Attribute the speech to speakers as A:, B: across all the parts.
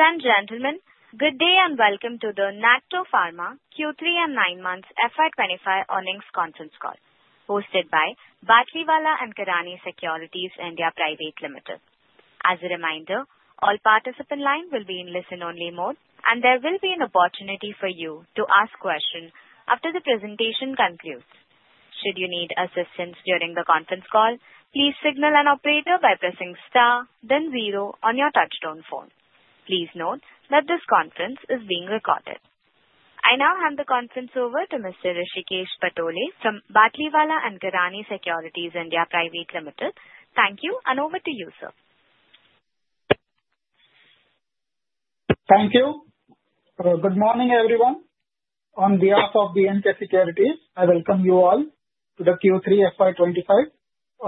A: Ladies and gentlemen, good day and welcome to the Pharma Q3 and 9 Months FY25 Earnings Conference Call, hosted by Batlivala and Karani curities India Pvt. Ltd. As a reminder, all participants' lines will be in listen-only mode, and there will be an opportunity for you to ask questions after the presentation concludes. Should you need assistance during the conference call, please signal an operator by pressing star, then zero on your touch-tone phone. Please note that this conference is being recorded. I now hand the conference over to Mr. Hrishikesh Patole from Batlivala and Karani Securities India Pvt. Ltd. Thank you, and over to you, sir.
B: Thank you. Good morning, everyone. On behalf of B&K Securities, I welcome you all to the Q3 FY25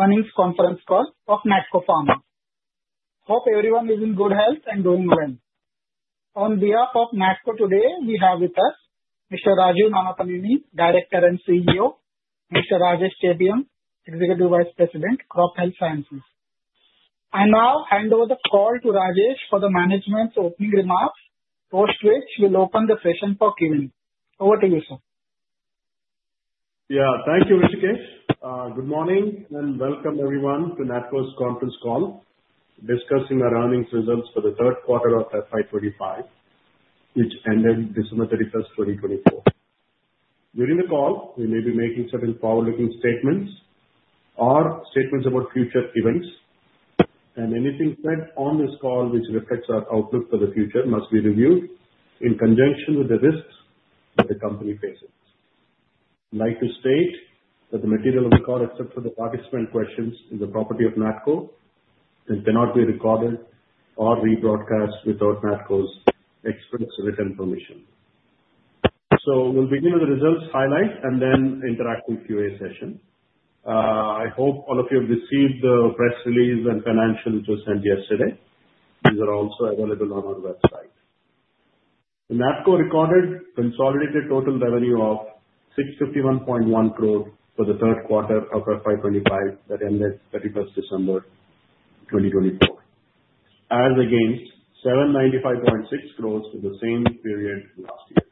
B: Earnings Conference Call of NATCO Pharma. Hope everyone is in good health and doing well. On behalf of NATCO today, we have with us Mr.Rajeev Nannapaneni, Director and CEO, Mr. Rajesh Chebiyam, Executive Vice President, Crop Health Sciences. I now hand over the call to Rajesh for the management's opening remarks, post which we'll open the session for Q&A. Over to you, sir.
C: Yeah, thank you, Hrishikesh. Good morning and welcome, everyone, to NATCO's conference call discussing our earnings results for the Q3 of FY25, which ended December 31, 2024. During the call, we may be making certain forward-looking statements or statements about future events, and anything said on this call which reflects our outlook for the future must be reviewed in conjunction with the risks that the company faces. I'd like to state that the material of the call, except for the participant questions, is the property of NATCO and cannot be recorded or rebroadcast without NATCO's express written permission. So we'll begin with the results highlight and then interact with Q&A session. I hope all of you have received the press release and financials we just sent yesterday. These are also available on our website. The NATCO recorded consolidated total revenue of 651.1 crore for the Q3 of FY25 that ended December 31, 2024, as against 795.6 crores for the same period last year.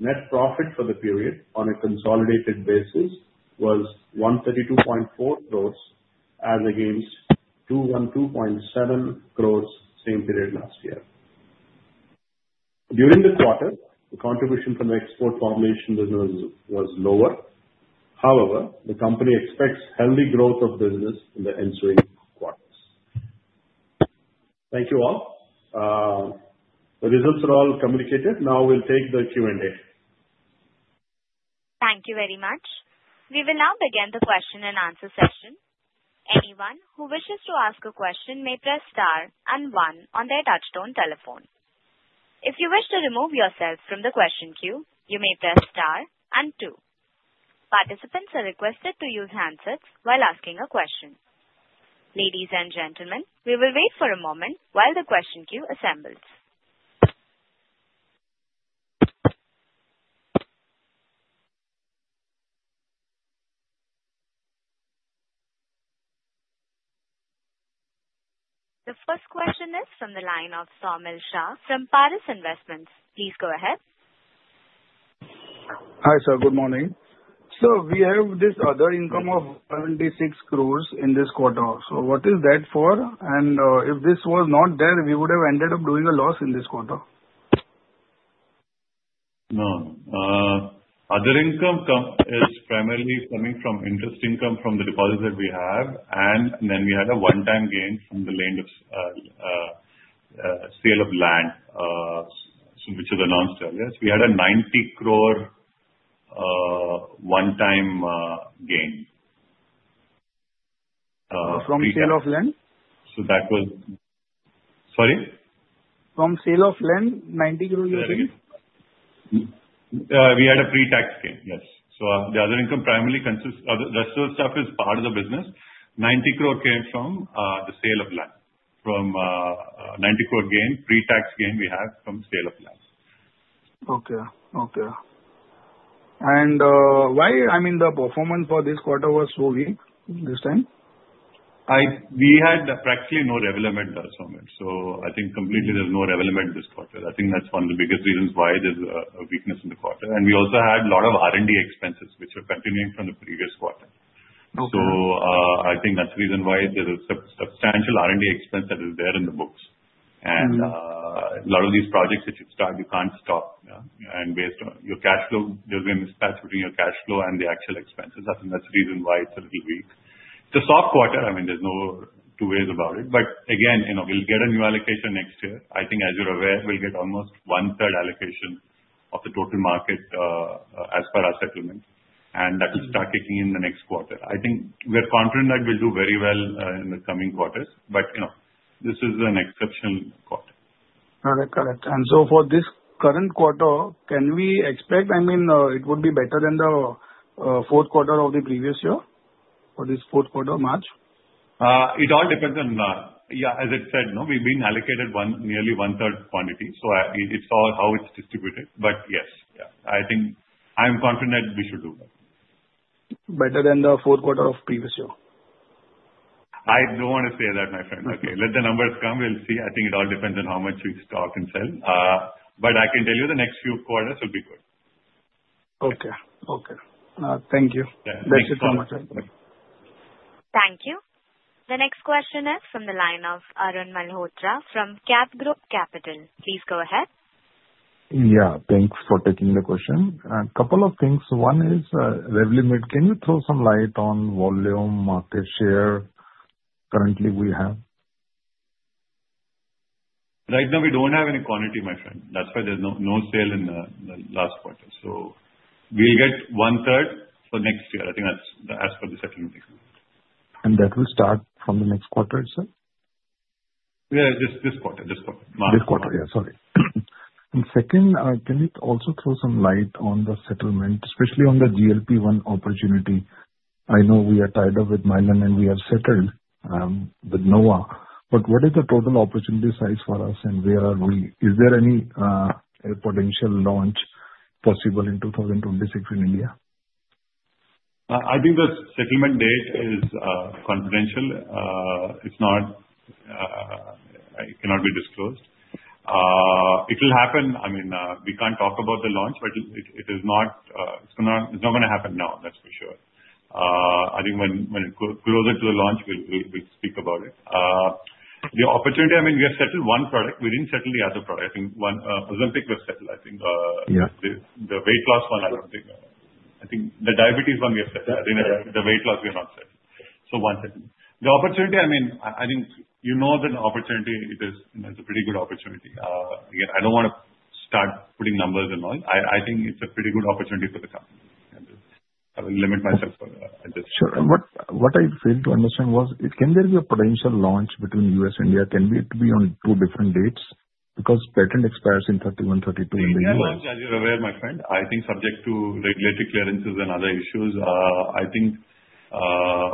C: Net profit for the period on a consolidated basis was 132.4 crores, as against 212.7 crores same period last year. During the quarter, the contribution from the export formulation business was lower. However, the company expects healthy growth of business in the ensuing quarters. Thank you all. The results are all communicated. Now we'll take the Q&A.
A: Thank you very much. We will now begin the question and answer session. Anyone who wishes to ask a question may press star and one on their touch-tone telephone. If you wish to remove yourself from the question queue, you may press star and two. Participants are requested to use handsets while asking a question. Ladies and gentlemen, we will wait for a moment while the question queue assembles. The first question is from the line of Saumil Shah from Paras Investments. Please go ahead.
D: Hi, sir. Good morning. So we have this other income of 76 crores in this quarter. So what is that for? And if this was not there, we would have ended up doing a loss in this quarter.
E: No. Other income is primarily coming from interest income from the deposits that we have, and then we had a one-time gain from the sale of land, which was announced earlier, so we had a 90 crore one-time gain.
D: From sale of land?
E: So that was, sorry?
D: From sale of land, INR 90 crore you said?
E: We had a pre-tax gain, yes. So the other income primarily consists. The rest of the stuff is part of the business. 90 crore came from the sale of land. From 90 crore gain, pre-tax gain we have from sale of land.
D: Okay. Okay. And why, I mean, the performance for this quarter was so weak this time?
E: We had practically no development at that moment. So I think completely there's no development this quarter. I think that's one of the biggest reasons why there's a weakness in the quarter. And we also had a lot of R&D expenses, which were continuing from the previous quarter. So I think that's the reason why there's a substantial R&D expense that is there in the books. And a lot of these projects that you start, you can't stop. And based on your cash flow, there's been a mismatch between your cash flow and the actual expenses. I think that's the reason why it's a little weak. It's a soft quarter. I mean, there's no two ways about it. But again, we'll get a new allocation next year. I think, as you're aware, we'll get almost one-third allocation of the total market as per our settlement. And that will start kicking in the next quarter. I think we're confident that we'll do very well in the coming quarters. But this is an exceptional quarter.
D: Correct. Correct. And so for this current quarter, can we expect, I mean, it would be better than the Q4 of the previous year for this Q4, March?
E: It all depends on, yeah, as I said, we've been allocated nearly one-third quantity. So it's all how it's distributed. But yes, yeah, I think I'm confident that we should do well.
D: Better than the Q4 of previous year?
E: I don't want to say that, my friend. Okay. Let the numbers come. We'll see. I think it all depends on how much we stock and sell. But I can tell you the next few quarters will be good..
D: Thank you so much.
A: Thank you. The next question is from the line of Arun Malhotra from CapGrow Capital. Please go ahead.
F: Yeah. Thanks for taking the question. A couple of things. One is, Revlimid, can you throw some light on volume, market share currently we have?
E: Right now, we don't have any quantity, my friend. That's why there's no sale in the last quarter. So we'll get one-third for next year. I think that's as per the settlement.
F: That will start from the next quarter, sir?
E: Yeah, this quarter. This quarter.
F: This quarter, yeah. Sorry. And second, can you also throw some light on the settlement, especially on the GLP-1 opportunity? I know we are tied up with Mylan and we have settled with NOAA. But what is the total opportunity size for us and where are we? Is there any potential launch possible in 2026 in India?
E: I think the settlement date is confidential. It cannot be disclosed. It will happen. I mean, we can't talk about the launch, but it is not, it's not going to happen now, that's for sure. I think when it grows into the launch, we'll speak about it. The opportunity, I mean, we have settled one product. We didn't settle the other product. I think one Ozempic was settled. I think the weight loss one, I don't think, I think the diabetes one, we have settled. I think the weight loss, we have not settled. So one settlement. The opportunity, I mean, I think you know that opportunity, it is a pretty good opportunity. Again, I don't want to start putting numbers and all. I think it's a pretty good opportunity for the company. I will limit myself at this.
F: Sure. And what I failed to understand was, can there be a potential launch between U.S. and India? Can it be on two different dates? Because patent expires in 2031, 2032 in the U.S.
E: India launch, as you're aware, my friend. I think subject to regulatory clearances and other issues, I think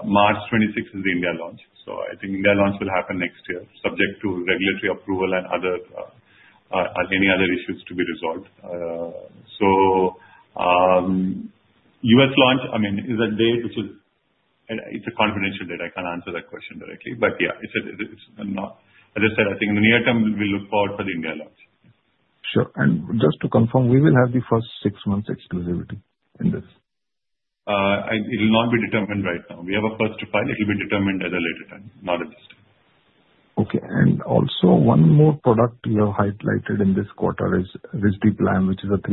E: March 26 is the India launch. So I think India launch will happen next year, subject to regulatory approval and any other issues to be resolved. So US launch, I mean, is a date which is. It's a confidential date. I can't answer that question directly. But yeah, it's, as I said, I think in the near term, we'll look forward for the India launch.
F: Sure. And just to confirm, we will have the first six months exclusivity in this?
E: It will not be determined right now. We have a first-to-file. It will be determined at a later time, not at this time.
F: Okay. And also, one more product you have highlighted in this quarter is Risdiplam, which is a $3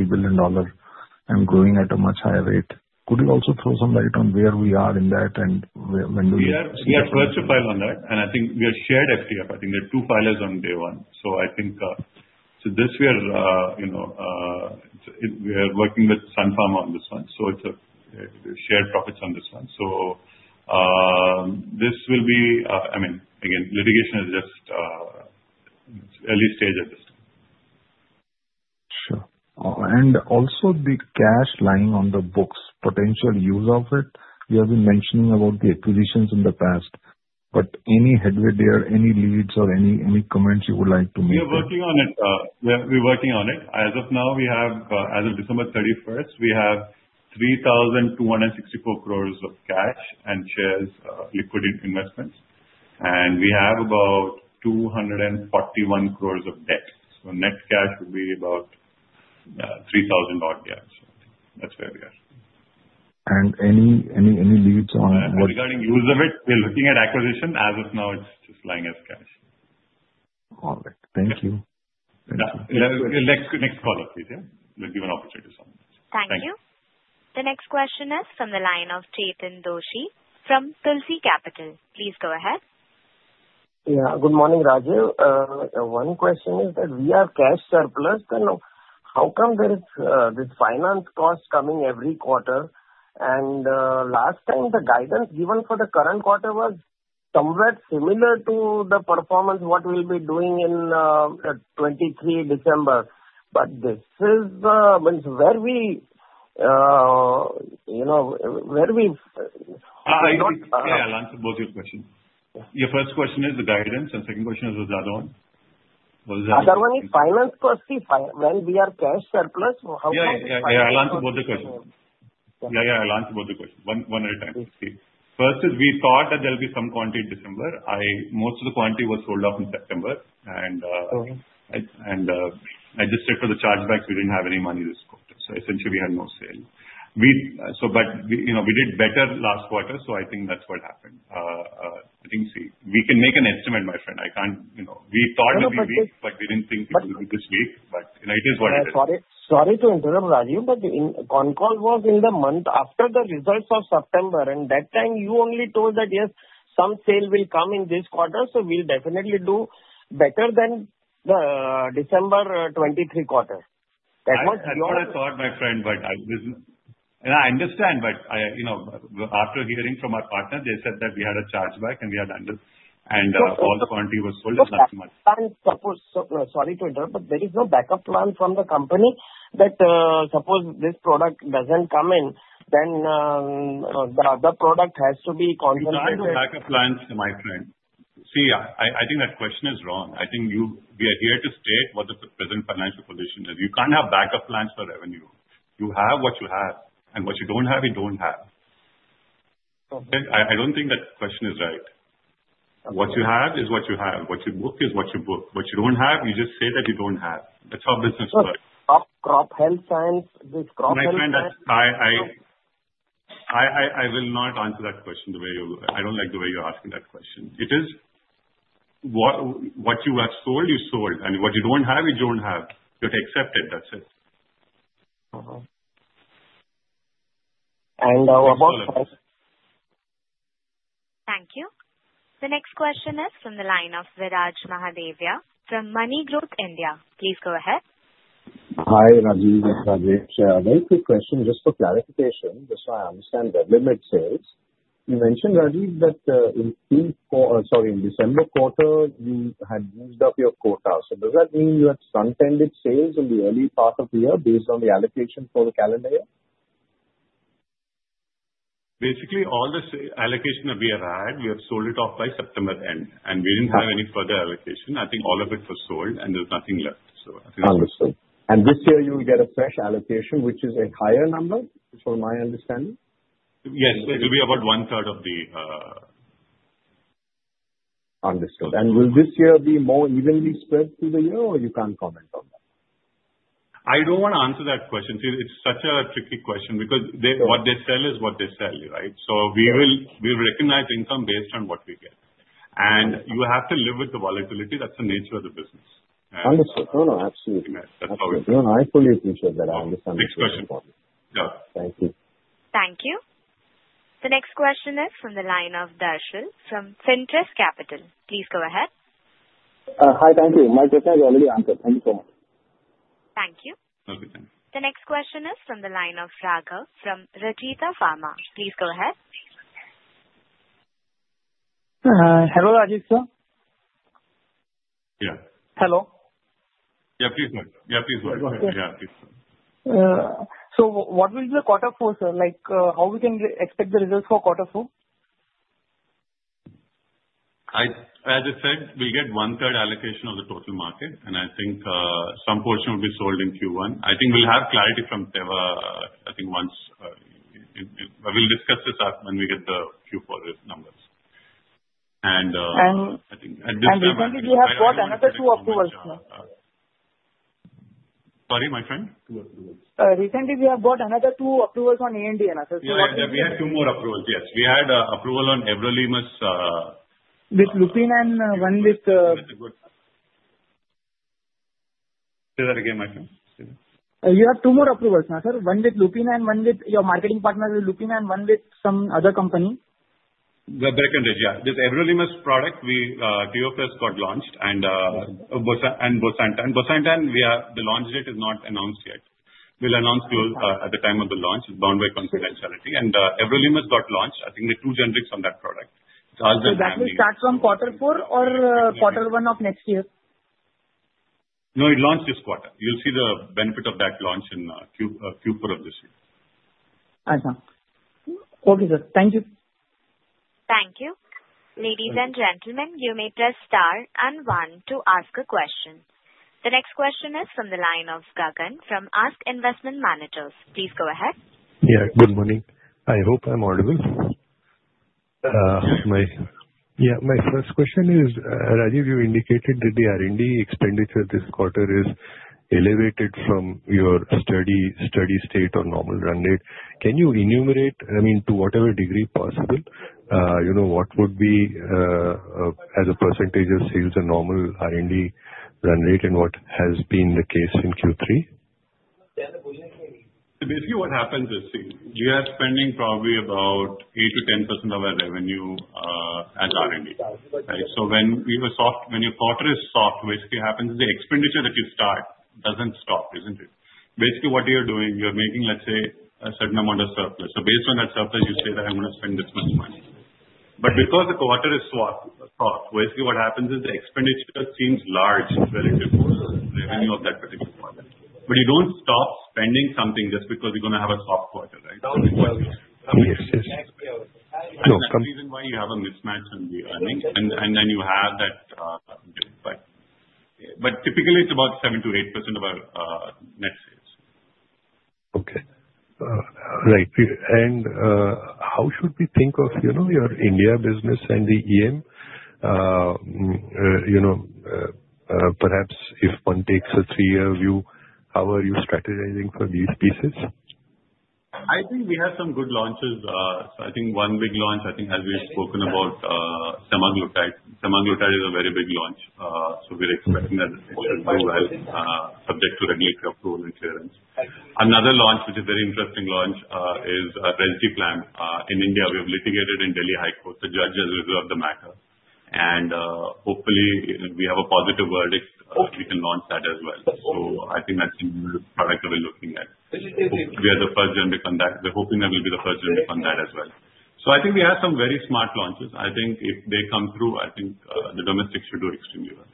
F: billion and growing at a much higher rate. Could you also throw some light on where we are in that and when do you
E: We are first to file on that. And I think we are shared FTF. I think there are two filers on day one. So I think this year, we are working with Sun Pharma on this one. So it's a shared profits on this one. So this will be, I mean, again, litigation is just early stage at this time.
F: Sure. And also, the cash lying on the books, potential use of it. You have been mentioning about the acquisitions in the past. But any headway there, any leads, or any comments you would like to make?
E: We are working on it. We're working on it. As of now, we have—as of December 31st, we have 3,264 crores of cash and shares liquidated investments. And we have about 241 crores of debt. So net cash would be about $3,000. Yeah. So that's where we are.
F: And any leads on?
E: Regarding use of it, we're looking at acquisition. As of now, it's just lying as cash.
F: All right. Thank you.
E: Next call, please. Yeah. We'll give an opportunity to someone else.
A: Thank you. The next question is from the line of Chetan Doshi from Tulsi Capital. Please go ahead.
G: Yeah. Good morning, Rajesh. One question is that we are cash surplus. How come there is this finance cost coming every quarter? And last time, the guidance given for the current quarter was somewhat similar to the performance what we'll be doing in 23 December. But this is where we...
E: I'll answer both your questions. Your first question is the guidance, and second question is what's the other one? What was that?
G: Other one is finance cost. When we are cash surplus, how come?
E: Yeah, I'll answer both the questions one at a time. First is we thought that there'll be some quantity in December. Most of the quantity was sold off in September. And I just said for the chargebacks, we didn't have any money this quarter. So essentially, we had no sale. But we did better last quarter so I think that's what happened. I think we can make an estimate, my friend. I can't. We thought that we did, but we didn't think we could do it this week. But it is what it is.
G: Sorry to interrupt, Rajeev, but Concall was in the month after the results of September. And that time, you only told that, "Yes, some sale will come in this quarter." So we'll definitely do better than the December 2023 quarter. That was your—
E: That's what I thought, my friend. And I understand. But after hearing from our partner, they said that we had a chargeback and all the quantity was sold, it's not too much.
G: sorry to interrupt, but there is no backup plan from the company that suppose this product doesn't come in, then the other product has to be contemplated.
E: There's no backup plans, my friend. See, I think that question is wrong. I think we are here to state what the present financial position is. You can't have backup plans for revenue. You have what you have. And what you don't have, you don't have. I don't think that question is right. What you have is what you have what you book is what you book what you don't have, you just say that you don't have. That's how business works.
G: But Crop Health Sciences, this Crop Health Sciences.
E: My friend, I will not answer that question the way you—I don't like the way you're asking that question. It is what you have sold, you sold. And what you don't have, you don't have. You have to accept it. That's it.
G: And about—
A: Thank you. The next question is from the line of Viraj Mahadevia from MoneyGrow India. Please go ahead.
H: Hi, Rajeev. Very quick question. Just for clarification, just so I understand the Revlimid sales, you mentioned, Rajeev, that in Q4, sorry, in December quarter, you had moved up your quota. So does that mean you had front-ended sales in the early part of the year based on the allocation for the calendar year?
E: Basically, all this allocation that we had, we have sold it off by September end. We didn't have any further allocation. I think all of it was sold, and there's nothing left.
H: I think that's... Understood. And this year, you will get a fresh allocation, which is a higher number, from my understanding?
E: Yes. It will be about one-third of the—
H: Understood. And will this year be more evenly spread through the year, or you can't comment on that?
E: I don't want to answer that question. See, it's such a tricky question because what they sell is what they sell, right? So we will recognize income based on what we get. And you have to live with the volatility that's the nature of the business.
H: Understood. No, no. Absolutely.
E: That's how it works.
H: No, no. I fully appreciate that. I understand the question.
E: Next question. Yeah.
H: Thank you.
A: Thank you. The next question is from the line of Darshil from Finterest Capital. Please go ahead.
I: Hi. Thank you. My question has already answered. Thank you so much.
A: Thank you. The next question is from the line of Raghav from Rajitha Pharma. Please go ahead.
J: Hello.
E: Yeah. Please go ahead.
J: So what will be the quarter four, sir? How we can expect the results for quarter four?
E: As I said, we'll get one-third allocation of the total market, and I think some portion will be sold in Q1. I think we'll have clarity from Teva, I think, once. We'll discuss this when we get the Q4 numbers, and I think at this time.
J: Recently, we have got another two approvals now.
E: Sorry, my friend?
J: Recently, we have got another two approvals on ANDA.
E: Yeah. We had two more approvals. Yes. We had approval on Everolimus.
J: With Lupin and one with...
E: Say that again, my friend. Say that.
J: You have two more approvals, ANDA. One with Lupin and one with your marketing partner, Lupin, and one with some other company.
E: We have reckoned it. Yeah. This Everolimus product, TOF has got launched. And Bosutinib. And Bosutinib, the launch date is not announced yet. We'll announce at the time of the launch it's bound by confidentiality and Everolimus got launched. I think the two generics on that product. It's all that we have to do.
J: So that will start from quarter four or quarter one of next year?
E: No. It launched this quarter. You'll see the benefit of that launch in Q4 of this year.
J: ANDA. Okay, sir. Thank you.
A: Thank you. Ladies and gentlemen, you may press star and one to ask a question. The next question is from the line of Gagan from ASK Investment Managers. Please go ahead.
K: Yeah. Good morning. I hope I'm audible. My first question is, Rajeev, you indicated that the R&D expenditure this quarter is elevated from your steady state or normal run rate. Can you enumerate, I mean, to whatever degree possible, what would be as a percentage of sales and normal R&D run rate and what has been the case in Q3?
E: Basically, what happens is you are spending probably about 8%-10% of our revenue as R&D, right, so when your quarter is soft, basically what happens is the expenditure that you start doesn't stop, isn't it? Basically, what you're doing, you're making, let's say, a certain amount of surplus, so based on that surplus, you say that I'm going to spend this much money. But because the quarter is soft, basically what happens is the expenditure seems large relative to revenue of that particular quarter. But you don't stop spending something just because you're going to have a soft quarter, right? That's the reason why you have a mismatch in the earnings, and then you have that, but typically, it's about 7%-8% of our net sales.
K: Okay. Right. And how should we think of your India business and the EM? Perhaps if one takes a three-year view, how are you strategizing for these pieces?
E: I think we have some good launches. So I think one big launch, I think, has been spoken about Semaglutide. Semaglutide is a very big launch. So we're expecting that it will go well, subject to regulatory approval and clearance. Another launch, which is a very interesting launch, is Risdiplam in India we have litigated in Delhi High Court the judge has resolved the matter. And hopefully, we have a positive verdict. We can launch that as well. So I think that's the product that we're looking at. We are the first gen to come back we're hoping that we'll be the first gen to come back as well. So I think we have some very smart launches i think if they come through, I think the domestics should do extremely well.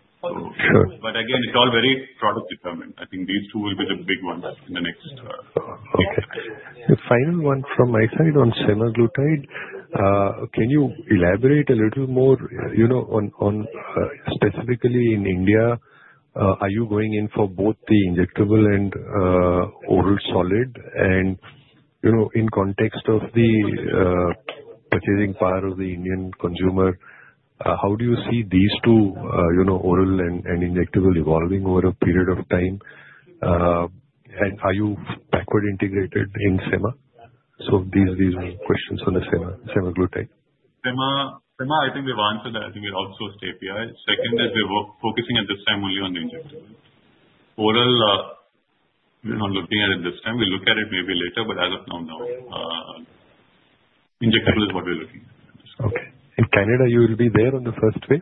E: But again, it's all very product-determined i think these two will be the big ones in the next quarter.
K: Okay. The final one from my side on Semaglutide. Can you elaborate? a little more on specifically in India, are you going in for both the injectable and oral solid? And in context of the purchasing power of the Indian consumer, how do you see these two, oral and injectable, evolving over a period of time. And are you backward integrated in SEMA? So these are the questions on the Semaglutide.
E: SEMA, I think we've answered that. I think we're outsourced API. Second is we're focusing at this time only on the injectable. Oral, we're not looking at it this time we'll look at it maybe later but as of now, no. Injectable is what we're looking at.
K: Okay. And Canada, you will be there on the first wave?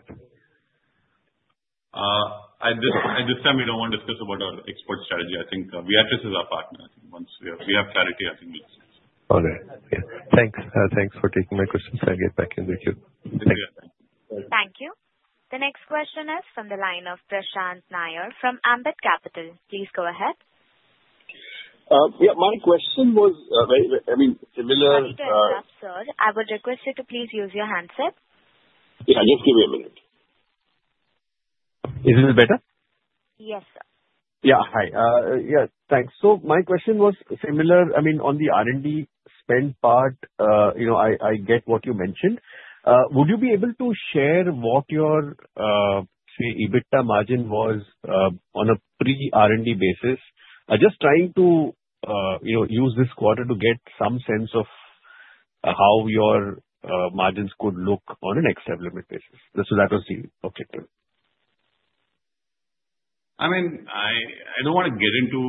E: At this time, we don't want to discuss about our export strategy. I think Viatris is our partner once we have clarity, I think we'll discuss.
K: All right. Yeah. Thanks. Thanks for taking my questions. I'll get back in the queue.
E: Thank you.
A: Thank you. The next question is from the line of Prashant Nair from Ambit Capital. Please go ahead.
L: Yeah. My question was very, I mean, similar.
A: Sir, I would request you to please use your handset.
L: Yeah. Just give me a minute. Is this better?
A: Yes, sir.
L: Yeah. Hi. Yeah. Thanks. So my question was similar, I mean, on the R&D spend part. I get what you mentioned. Would you be able to share what your, say, EBITDA margin was on a pre-R&D basis? I'm just trying to use this quarter to get some sense of how your margins could look on an extended limit basis. So that was the objective.
E: I mean, I don't want to get into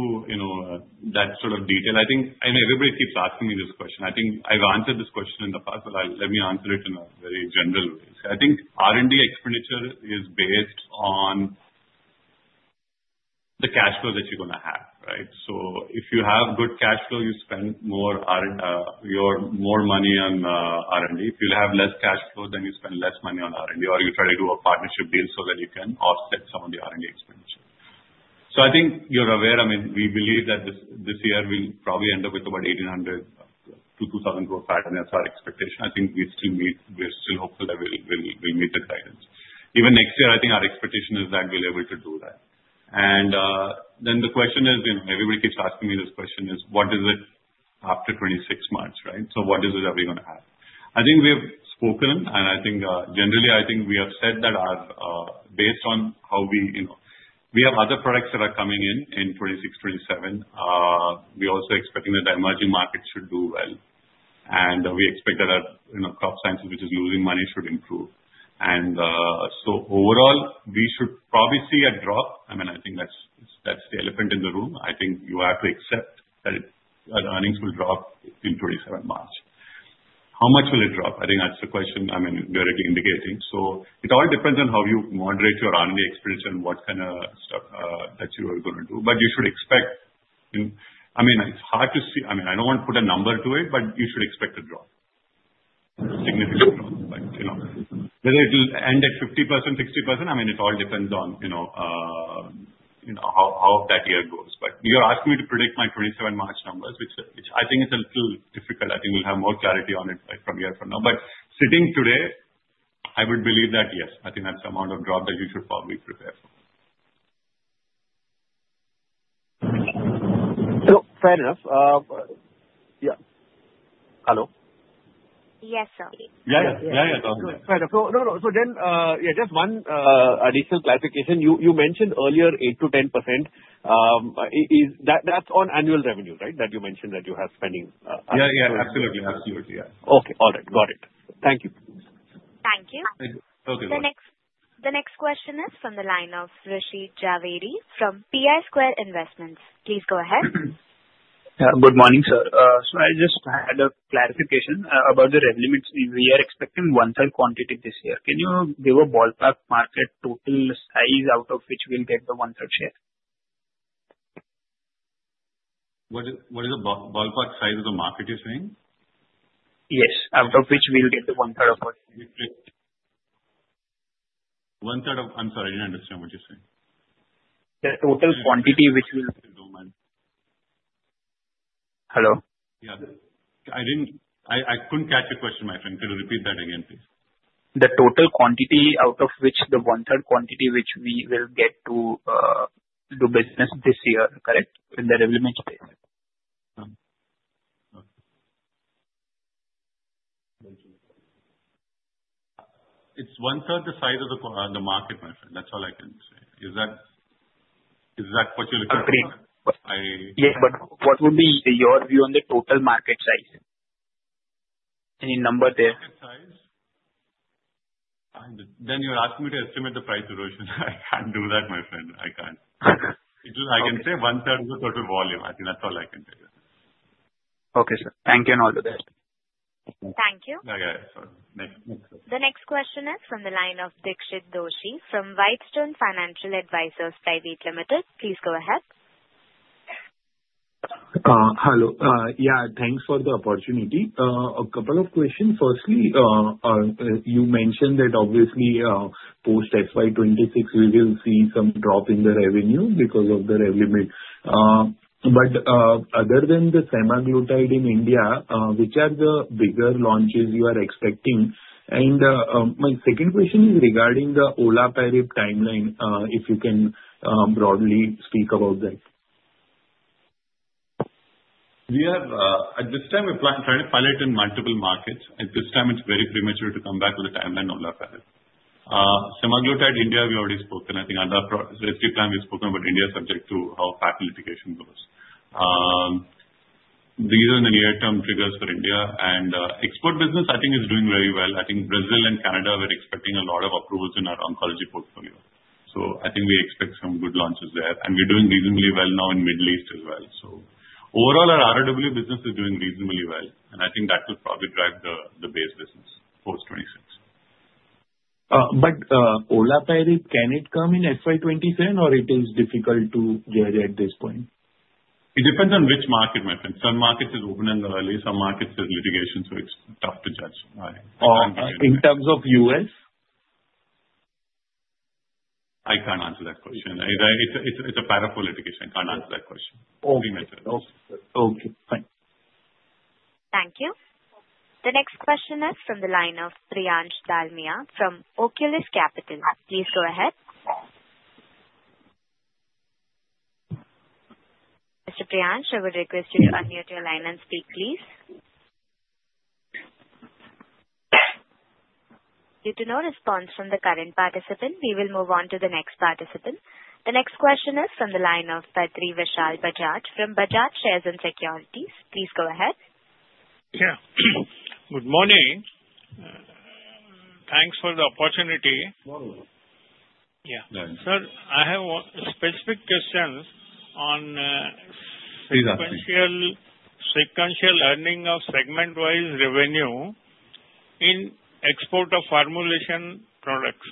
E: that sort of detail i think, I mean, everybody keeps asking me this question. I think I've answered this question in the past, but let me answer it in a very general way. I think R&D expenditure is based on the cash flow that you're going to have, right? So if you have good cash flow, you spend more money on R&D. If you have less cash flow, then you spend less money on R&D, or you try to do a partnership deal so that you can offset some of the R&D expenditure. So I think you're aware, I mean, we believe that this year we'll probably end up with about 1,800-2,000 crore. That's our expectation. I think we're still hopeful that we'll meet the guidance. Even next year, I think our expectation is that we'll be able to do that. And then the question is, everybody keeps asking me this question is, what is it after 26 months, right? So what is it that we're going to have? I think we have spoken, and I think generally, I think we have said that based on how we have other products that are coming in in 26, 27. We're also expecting that the emerging markets should do well. And we expect that our Crop Sciences, which is losing money, should improve. And so overall, we should probably see a drop. I mean, I think that's the elephant in the room. I think you have to accept that earnings will drop in 27 March. How much will it drop? I think that's the question I'm directly indicating. So it all depends on how you moderate your R&D expenditure and what kind of stuff that you are going to do. But you should expect, I mean, it's hard to see. I mean, I don't want to put a number to it, but you should expect a drop, a significant drop. But whether it'll end at 50%, 60%, I mean, it all depends on how that year goes but you're asking me to predict my 27 March numbers, which I think is a little difficult i think we'll have more clarity on it from here for now. But sitting today, I would believe that, yes, I think that's the amount of drop that you should probably prepare for.
L: Hello. Fair enough. Yeah. Hello?
A: Yes, sir.
L: Go ahead. No, no. So then, yeah, just one additional clarification you mentioned earlier 8%-10%. That's on annual revenue, right, that you mentioned that you have spending?
E: Yeah. Yeah. Absolutely. Absolutely. Yeah.
L: Okay. All right. Got it. Thank you.
A: The next question is from the line of Hrishit Jhaveri from PI Square Investments. Please go ahead.
M: Good morning, sir. So I just had a clarification about the Revlimid. We are expecting one-third quantity this year. Can you give a ballpark market total size out of which we'll get the one-third share?
E: What is the ballpark size of the market you're saying?
M: Yes. Out of which we'll get the one-third of what?
E: One-third of. I'm sorry i didn't understand what you're saying.
M: The total quantity which will. Hello.
E: I couldn't catch your question, my friend. Could you repeat that again, please?
M: The total quantity out of which the one-third quantity which we will get to do business this year correct, in Revlimid?
E: It's one-third the size of the market, my friend. That's all I can say. Is that what you're looking for?
M: Yeah, but what would be your view on the total market size? Any number there?
E: Market size? Then you're asking me to estimate the price erosion. I can't do that, my friend i can't. I can say one-third of the total volume i think that's all I can tell you.
M: Okay, sir. Thank you and all the best.
A: Thank you.
E: Yeah. Sorry. Next, sir.
A: The next question is from the line of Dixit Doshi from Whitestone Financial Advisors Private Limited. Please go ahead.
N: Hello. Yeah. Thanks for the opportunity. A couple of questions. Firstly, you mentioned that obviously post FY26, we will see some drop in the revenue because of the Revlimid. But other than the Semaglutide in India, which are the bigger launches you are expecting? And my second question is regarding the Olaparib timeline, if you can broadly speak about that.
E: At this time, we're trying to pilot in multiple markets. At this time, it's very premature to come back with a timeline on Olaparib. Semaglutide India, we already spoke to, and I think Risdiplam, we've spoken about India subject to how patent litigation goes. These are the near-term triggers for India, and export business, I think, is doing very well. I think Brazil and Canada were expecting a lot of approvals in our oncology portfolio, so I think we expect some good launches there, and we're doing reasonably well now in the Middle East as well, so overall, our RoW business is doing reasonably well, and I think that will probably drive the base business post 2026.
N: Olaparib, can it come in FY27, or it is difficult to get at this point?
E: It depends on which market, my friend. Some markets are opening early. Some markets have litigation, so it's tough to judge.
N: In terms of U.S.?
E: I can't answer that question it's a Para IV litigation. I can't answer that question.
N: Okay. Okay. Thanks.
A: Thank you. The next question is from the line of Priyansh Dalmia from Oculus Capital. Please go ahead. Mr. Priyansh, I would request you to unmute your line and speak, please. Due to no response from the current participant, we will move on to the next participant. The next question is from the line of Badri Vishal Bajaj from Bajaj Shares and Securities. Please go ahead.
O: Good morning. Thanks for the opportunity.
E: Morning. Yeah.
O: Sir, I have specific questions on sequential earning of segment-wise revenue in export of formulation products.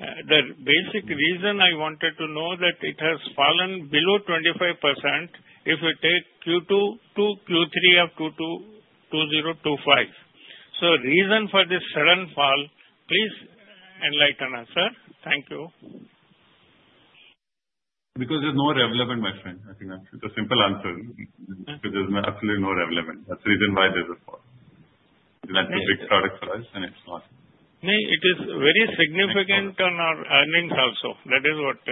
O: The basic reason I wanted to know that it has fallen below 25% if you take Q2 to Q3 of 2025. So reason for this sudden fall, please enlighten us, sir. Thank you.
E: Because there's no revenue element, my friend. I think that's the simple answer. There's absolutely no revenue element that's the reason why there's a fall. That's a big product for us, and it's not.
O: Maybe it is very significant on our earnings also. That is what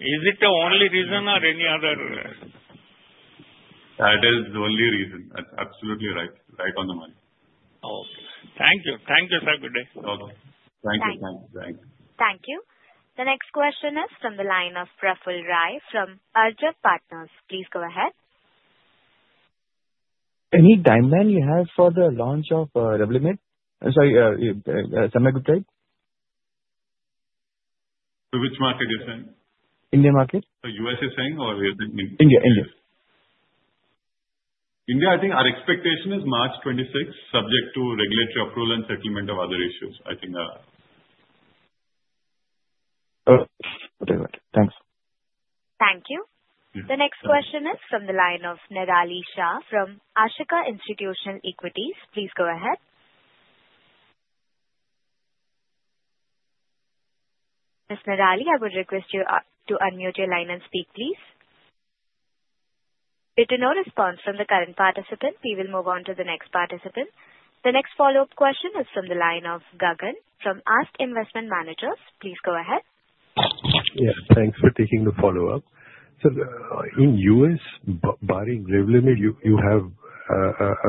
O: is it the only reason or any other?
E: That is the only reason. That's absolutely right. Right on the money.
O: Okay. Thank you. Thank you, sir. Good day.
P: Okay. Thank you. Thank you.
A: Thank you. The next question is from the line of Praharsh Rai from Arjav Partners. Please go ahead.
Q: Any timeline you have for the launch of Semaglutide? Sorry, Semaglutide?
E: Which market you're saying?
Q: Indian market.
E: So U.S. you're saying, or you're thinking?
Q: India. India.
E: India, I think our expectation is March 26, subject to regulatory approval and settlement of other issues. I think.
Q: Very good. Thanks.
A: Thank you. The next question is from the line of Nirali Shah from Ashika Institutional Equities. Please go ahead. Ms. Nirali, I would request you to unmute your line and speak, please. Due to no response from the current participant, we will move on to the next participant. The next follow-up question is from the line of Gagan from ASK Investment Managers. Please go ahead.
K: Yeah. Thanks for taking the follow-up. So in US, beyond Revlimid, you have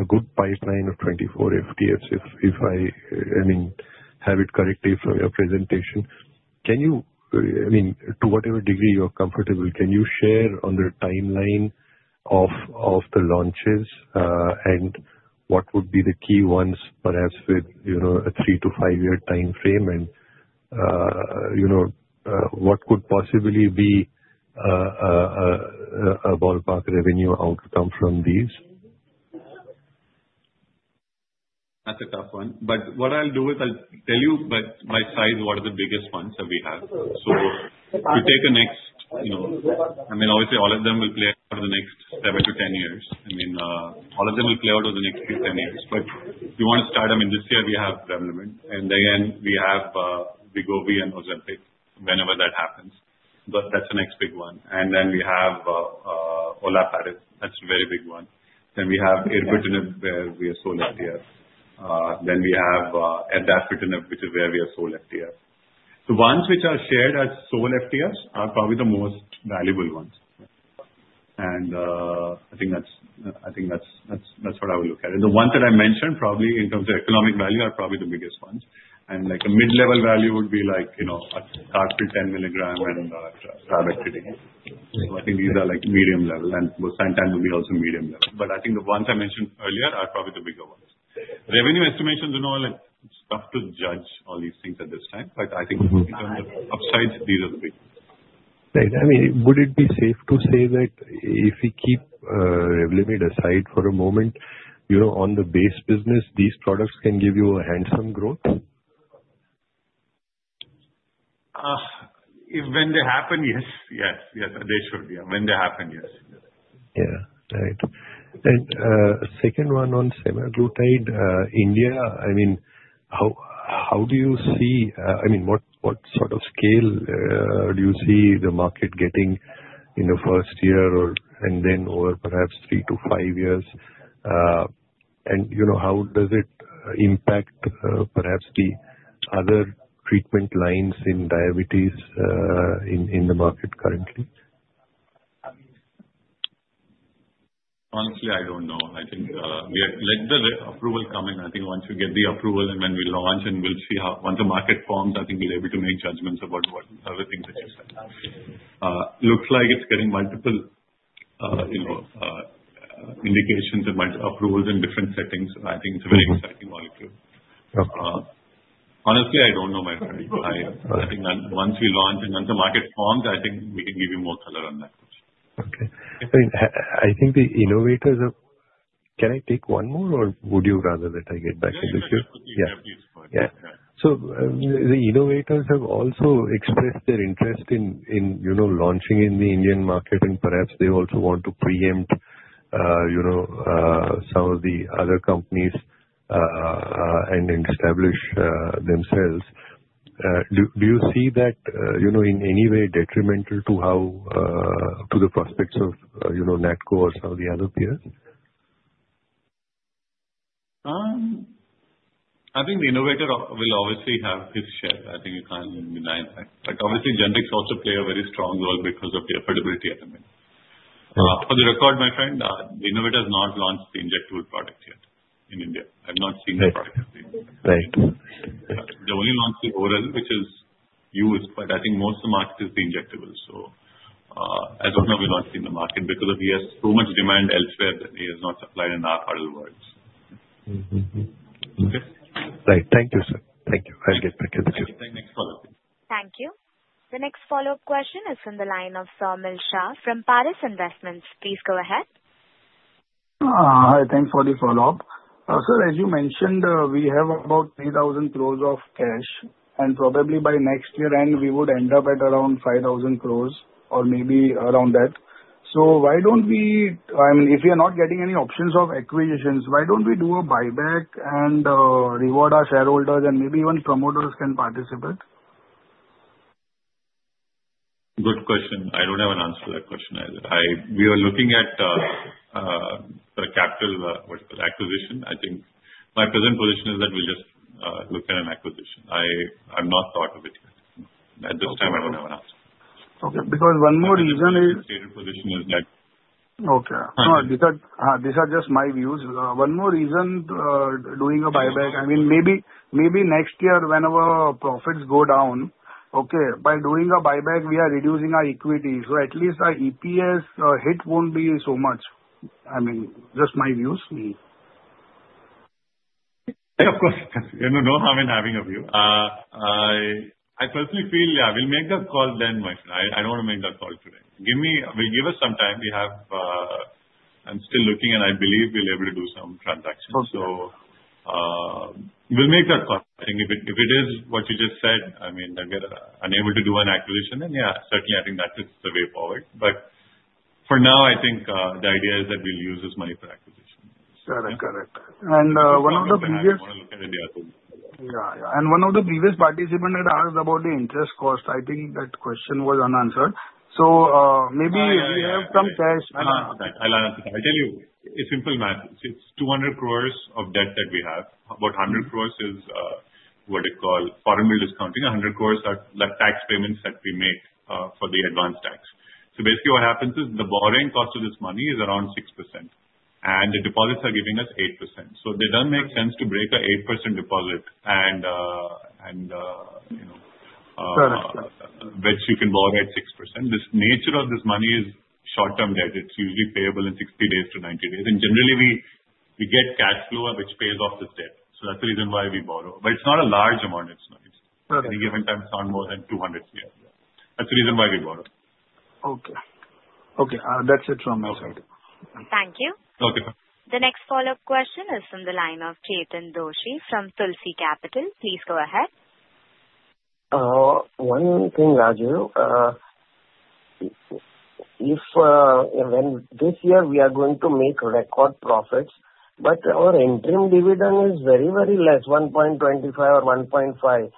K: a good pipeline of 24 FTFs, if I, I mean, have it correctly from your presentation. Can you, I mean, to whatever degree you're comfortable, can you share on the timeline of the launches and what would be the key ones, perhaps with a 3- to 5-year timeframe? And what could possibly be a ballpark revenue outcome from these?
E: That's a tough one. But what I'll do is I'll tell you by size what are the biggest ones that we have. So if you take the next, I mean, obviously, all of them will play out over the next seven to 10 years. I mean, all of them will play out over the next 10 years but. You want to start, I mean, this year we have Revlimid. And then we have Wegovy and Ozempic whenever that happens. But that's the next big one. And then we have Olaparib. That's a very big one. Then we have Ibrutinib, where we are sole FTF. Then we have Adapitinib, which is where we are sole FTF. The ones which are shared as sole FTFs are probably the most valuable ones. And I think that's what I would look at. And the ones that I mentioned, probably in terms of economic value, are probably the biggest ones. And a mid-level value would be like Carfilzomib 10 milligram and Trifluridine. So I think these are medium level. And Bosentan will be also medium level but I think the ones I mentioned earlier are probably the bigger ones. Revenue estimations and all, it's tough to judge all these things at this time. But I think in terms of upsides, these are the big ones.
K: I mean, would it be safe to say that if we keep Revlimid aside for a moment, on the base business, these products can give you a handsome growth?
E: When they happen, yes. Yes. Yes. They should be. When they happen, yes.
K: Yeah. All right. And second one on Semaglutide, India, I mean, how do you see I mean, what sort of scale do you see the market getting in the first year and then over perhaps three to five years? And how does it impact perhaps the other treatment lines in diabetes in the market currently?
E: Honestly, I don't know. I think let the approval come in i think once we get the approval and when we launch and we'll see how once the market forms, I think we'll be able to make judgments about everything that you said. Looks like it's getting multiple indications and approvals in different settings. I think it's a very exciting molecule. Honestly, I don't know, my friend. I think once we launch and once the market forms, I think we can give you more color on that question.
K: Okay. I think the innovators - can I take one more, or would you rather that I get back to this here?
E: Yeah. Yeah.
K: Yeah. So the innovators have also expressed their interest in launching in the Indian market, and perhaps they also want to preempt some of the other companies and establish themselves. Do you see that in any way detrimental to the prospects of NATCO or some of the other peers?
E: I think the innovator will obviously have his share. I think you can't deny that. But obviously, GenBix also played a very strong role because of the affordability element. For the record, my friend, the innovator has not launched the injectable product yet in India. I've not seen the product in India.
K: Right.
E: They only launched the oral, which is used. But I think most of the market is the injectable. So as of now, we've not seen the market because he has so much demand elsewhere that he has not supplied in our part of the world. Okay?
K: Right. Thank you, sir. Thank you. I'll get back to the Q.
E: Thank you.
A: Thank you. The next follow-up question is from the line of Saumil Shah from Paras Investments. Please go ahead.
D: Hi thanks for the follow-up. Sir, as you mentioned, we have about 3,000 crores of cash. And probably by next year's end, we would end up at around 5,000 crores or maybe around that. So why don't we—I mean, if we are not getting any options of acquisitions, why don't we do a buyback and reward our shareholders, and maybe even promoters can participate?
E: Good question. I don't have an answer to that question either. We are looking at the capital acquisition. I think my present position is that we'll just look at an acquisition i have not thought of it yet. At this time, I don't have an answer.
D: Okay. Because one more reason is.
E: My stated position is that.
D: Okay. No, these are just my views. One more reason doing a buyback, I mean, maybe next year when our profits go down, okay, by doing a buyback, we are reducing our equity so at least our EPS hit won't be so much. I mean, just my views.
E: Of course. You know how I've been having a view. I personally feel, yeah, we'll make that call then, my friend i don't want to make that call today give us some time. I'm still looking, and I believe we'll be able to do some transactions. So we'll make that call. I think if it is what you just said, I mean, that we're unable to do an acquisition, then yeah, certainly, I think that is the way forward. But for now, I think the idea is that we'll use this money for acquisition.
D: Correct. Correct. And one of the previous.
E: I want to look at India too.
D: And one of the previous participants had asked about the interest cost. I think that question was unanswered. So maybe we have some cash.
E: I'll answer that. I'll tell you a simple math. It's 200 crores of debt that we have. About 100 crores is what you call Foreign Bill discounting. 100 crores are tax payments that we make for the advance tax. So basically, what happens is the borrowing cost of this money is around 6%. And the deposits are giving us 8%. So it doesn't make sense to break an 8% deposit and-- Which you can borrow at 6%. The nature of this money is short-term debt. It's usually payable in 60-90 days. And generally, we get cash flow which pays off this debt. So that's the reason why we borrow but it's not a large amount. It's not. At any given time, it's not more than 200 crores. That's the reason why we borrow.
D: Okay. Okay. That's it from my side.
A: Thank you.
E: Okay.
A: The next follow-up question is from the line of Chetan Doshi from Tulsi Capital. Please go ahead.
G: One thing, Rajeev. If this year we are going to make record profits, but our interim dividend is very, very less, 1.25 or 1.5.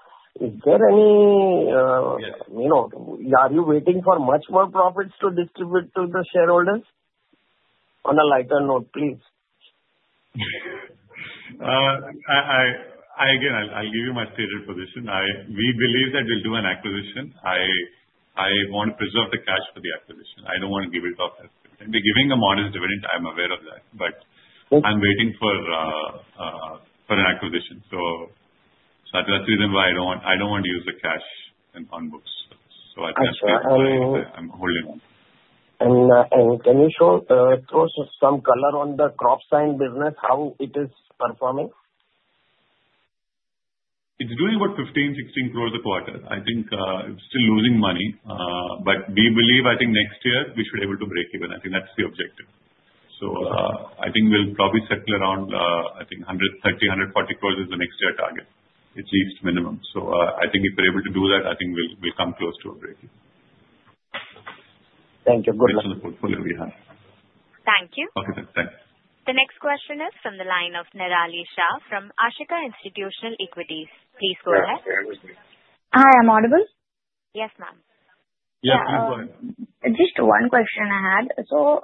G: Is there any—are you waiting for much more profits to distribute to the shareholders? On a lighter note, please.
E: Again, I'll give you my stated position. We believe that we'll do an acquisition. I want to preserve the cash for the acquisition. I don't want to give it off. We're giving a modest dividend i'm aware of that. But I'm waiting for an acquisition. So that's the reason why I don't want to use the cash on books. So I'm holding on.
G: Can you show some color on the Crop Science business, how it is performing?
E: It's doing about 15-16 crores a quarter. I think it's still losing money. But we believe, I think next year, we should be able to break even. I think that's the objective. So I think we'll probably settle around, I think, 130-140 crores is the next year target, at least minimum. So I think if we're able to do that, I think we'll come close to a break even.
G: Thank you. Good.
E: Based on the portfolio we have.
A: Thank you.
E: Okay. Thanks.
A: The next question is from the line of Nirali Shah from Ashika Institutional Equities. Please go ahead.
R: Hi. I'm audible?
A: Yes, ma'am.
E: Yeah. Please go ahead.
R: Just one question I had. So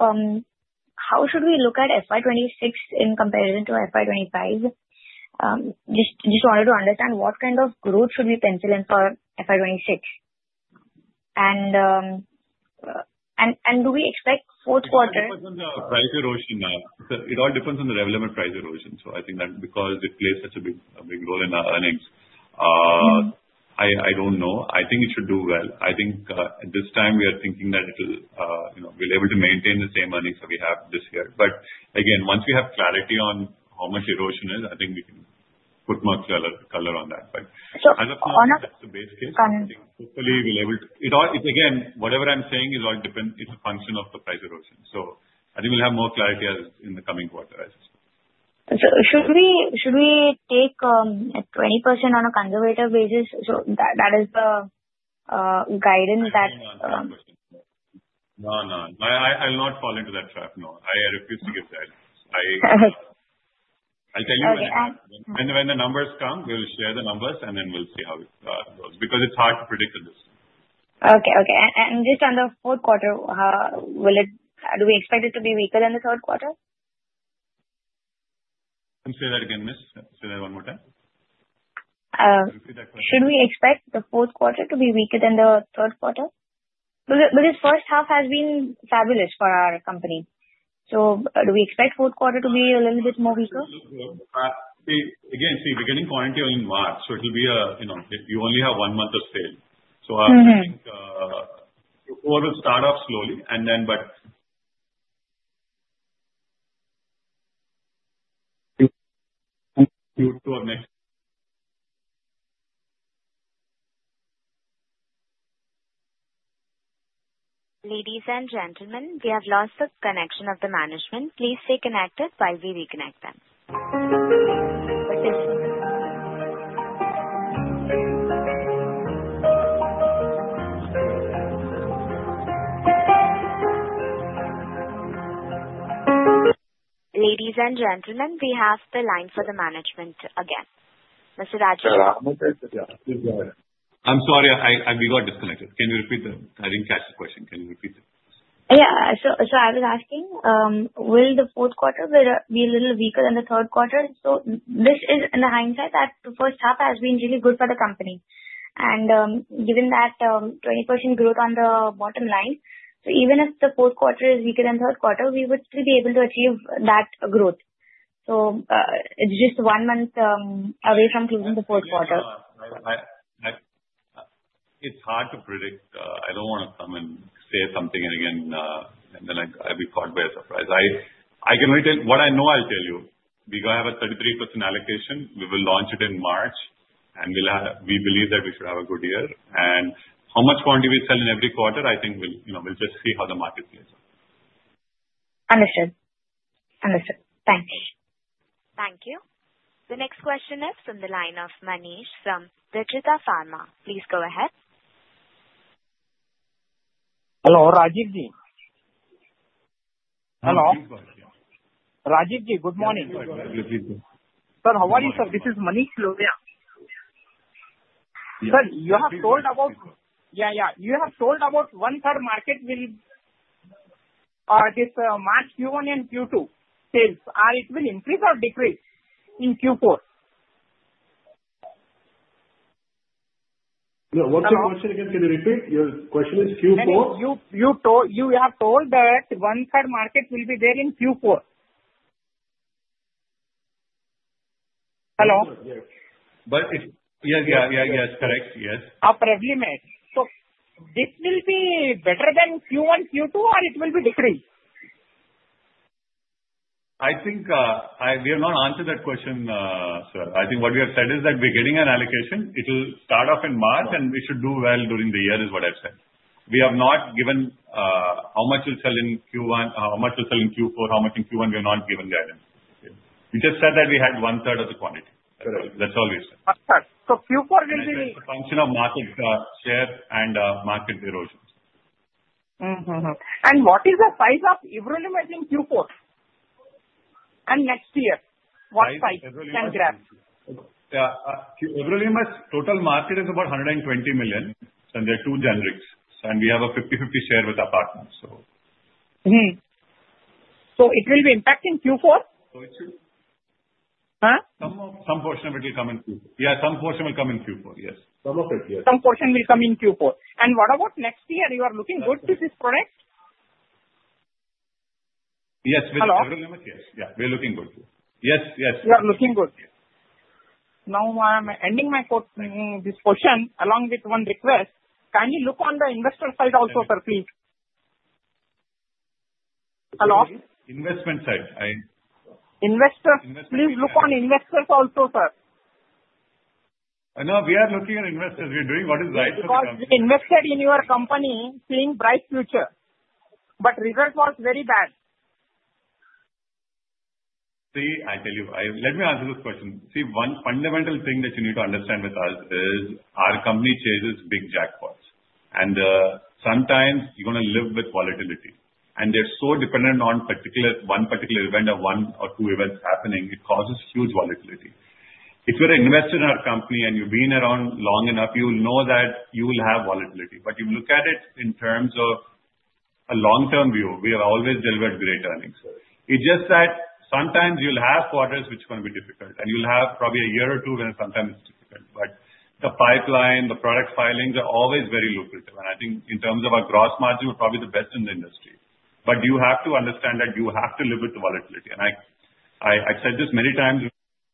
R: how should we look at FY26 in comparison to FY25? Just wanted to understand what kind of growth should we pencil in for FY26? And do we expect Q4?
E: It all depends on the price erosion It all depends on the Revlimid's price erosion. So I think that because it plays such a big role in our earnings, I don't know. I think it should do well. I think at this time, we are thinking that we'll be able to maintain the same earnings that we have this year. But again, once we have clarity on how much erosion is, I think we can put more color on that. But as of now, that's the base case. I think hopefully we'll be able to. Again, whatever I'm saying is all different. It's a function of the price erosion. So I think we'll have more clarity in the coming quarter, I suspect.
R: So should we take 20% on a conservative basis? So that is the guidance that.
E: No, no. I have no question. No, no. I'll not fall into that trap. No. I refuse to give guidance. I'll tell you when the numbers come, we'll share the numbers, and then we'll see how it goes because it's hard to predict at this time.
R: Okay. And just on the Q4, do we expect it to be weaker than the Q3?
E: Say that again, miss. Say that one more time.
R: Should we expect the Q4 to be weaker than the Q3? Because first half has been fabulous for our company. So do we expect Q4 to be a little bit more weaker?
P: Again, see, we're getting clearance in March. So it'll be a—you only have one month of sales. So I think we'll start off slowly and then, but.
A: Ladies and gentlemen, we have lost the connection of the management please stay connected while we reconnect them. Ladies and gentlemen, we have the line for the management again. Mr. Rajeev?
C: Yeah. Please go ahead.
P: I'm sorry. We got disconnected. Can you repeat the question? I didn't catch the question can you repeat it?
R: Yeah so I was asking, will the Q4 be a little weaker than the Q3? So this is in the hindsight that the first half has been really good for the company. And given that 20% growth on the bottom line, so even if the Q4 is weaker than Q3, we would still be able to achieve that growth. So it's just one month away from closing the Q4.
E: It's hard to predict. I don't want to come and say something, and then I'll be caught by surprise. What I know, I'll tell you, we're going to have a 33% allocation. We will launch it in March, and we believe that we should have a good year, and how much quantity we sell in every quarter, I think we'll just see how the market plays out.
R: Understood. Understood. Thanks.
A: Thank you. The next question is from the line of Manish from Digital Pharma. Please go ahead.
S: Hello. Rajeev ji. Hello. Rajeev ji. Good morning.
E: Good morning. Good morning.
T: Sir, how are you, sir? This is Manish Lodhia. Sir, you have sold about one-third market with this March Q1 and Q2 sales. It will increase or decrease in Q4?
C: What's your question again? Can you repeat? Your question is Q4?
S: You have told that one-third market will be there in Q4. Hello?
E: Yes. But it's yeah, yeah, yeah. It's correct. Yes.
T: Revlimid. So this will be better than Q1, Q2, or it will be decrease?
E: I think we have not answered that question, sir. I think what we have said is that we're getting an allocation. It will start off in March, and we should do well during the year is what I've said. We have not given how much we'll sell in Q1, how much we'll sell in Q4, how much in Q1. We have not given guidance. We just said that we had one-third of the quantity. That's all we said.
T: Q4 will be.
E: It's a function of market share and market erosion.
T: What is the size of Everolimus in Q4? Next year, what size can grab?
C: Everolimus' total market is about $120 million. There are two generics. We have a 50/50 share with our partners, so.
T: It will be impacting Q4?
E: Some portion of it will come in Q4. Yeah. Some portion will come in Q4. Yes.
C: Some of it, yes.
T: Some portion will come in Q4. And what about next year? You are looking good with this product?
E: Yes. With Everolimus, yes. Yeah. We're looking good. Yes. Yes.
T: You are looking good. Now, I'm ending this portion along with one request. Can you look on the investor side also, sir, please? Hello?
E: Investment side.
T: Investors, please look on investors also, sir.
E: We are looking at investors. We're doing what is right for the company.
T: Because we invested in your company seeing bright future. But the result was very bad.
E: See, I'll tell you. Let me answer this question. See, one fundamental thing that you need to understand with us is our company chases big jackpots. And sometimes you're going to live with volatility. And they're so dependent on one particular event or one or two events happening, it causes huge volatility. If you're an investor in our company and you've been around long enough, you'll know that you'll have volatility. But you look at it in terms of a long-term view, we have always delivered great earnings. It's just that sometimes you'll have quarters which are going to be difficult. And you'll have probably a year or two where sometimes it's difficult. But the pipeline, the product filings are always very lucrative. And I think in terms of our gross margin, we're probably the best in the industry. You have to understand that you have to live with the volatility. I've said this many times,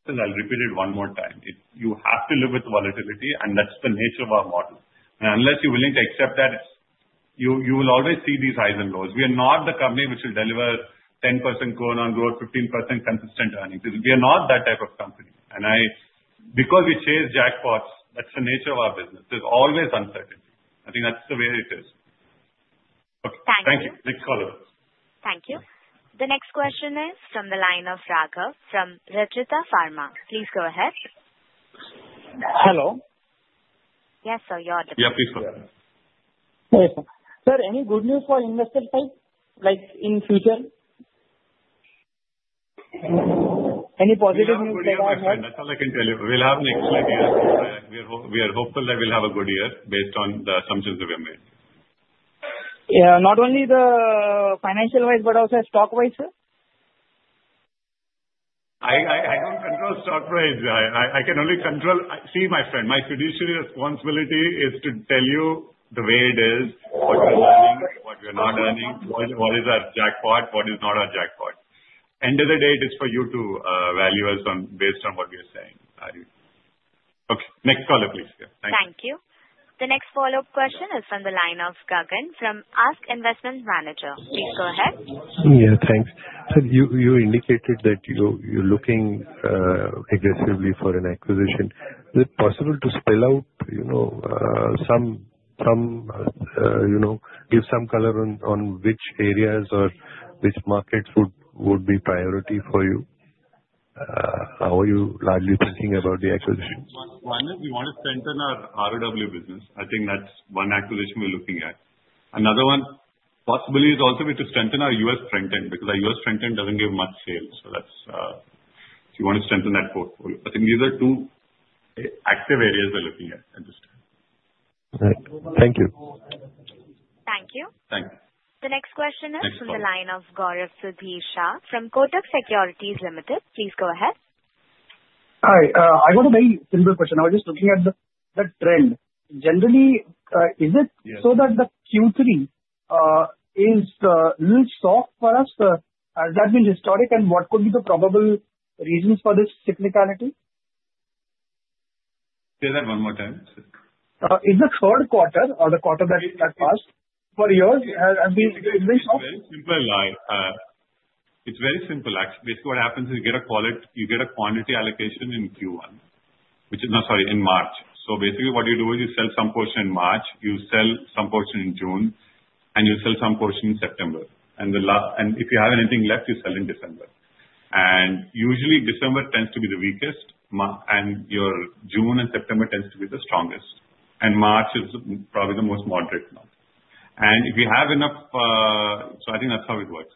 E: and I'll repeat it one more time. You have to live with the volatility. That's the nature of our model. Unless you're willing to accept that, you will always see these highs and lows we are not the company which will deliver 10% going on growth, 15% consistent earnings we are not that type of company. Because we chase jackpots, that's the nature of our business. There's always uncertainty. I think that's the way it is. Thank you. Next caller.
A: Thank you. The next question is from the line of Raghav from Rajitha Pharma. Please go ahead.
J: Hello.
A: Yes, sir. You're audible.
E: Yeah. Please go ahead.
J: Yes, sir. Sir, any good news for investor side in future? Any positive news that I have?
E: No, sir. That's all I can tell you. We'll have an excellent year. We are hopeful that we'll have a good year based on the assumptions that we have made.
J: Not only financial-wise, but also stock-wise, sir?
P: I don't control stock price. I can only control. See, my friend, my fiduciary responsibility is to tell you the way it is, what we're learning, what we're not learning, what is our jackpot, what is not our jackpot. End of the day, it is for you to value us based on what we are saying. Okay. Next caller, please.
A: Thank you. The next follow-up question is from the line of Gagan from ASK Investment Managers. Please go ahead.
K: Yeah. Thanks. You indicated that you're looking aggressively for an acquisition. Is it possible to spell out, give some color on which areas or which markets would be priority for you? How are you largely thinking about the acquisition?
E: One is we want to strengthen our RoW business. I think that's one acquisition we're looking at. Another one, possibly, is also to strengthen our US strength because our US strength doesn't give much sales. So that's if you want to strengthen that portfolio. I think these are two active areas we're looking at this time.
K: Right. Thank you.
A: Thank you.
E: Thank you.
A: The next question is from the line of Gaurav Sudheesh Shah from Kotak Securities Limited. Please go ahead.
U: Hi. I got a very simple question. I was just looking at the trend. Generally, is it so that the Q3 is a little soft for us? Has that been historical, and what could be the probable reasons for this technicality?
E: Say that one more time.
V: Is the Q3 or the quarter that passed for FY24, has been soft?
E: It's very simple. It's very simple. Basically, what happens is you get a quantity allocation in Q1, which is, no, sorry, in March, so basically, what you do is you sell some portion in March, you sell some portion in June, and you sell some portion in September, and if you have anything left, you sell in December, and usually, December tends to be the weakest, and your June and September tends to be the strongest, and March is probably the most moderate month, and if you have enough, so I think that's how it works.